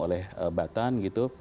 oleh badan gitu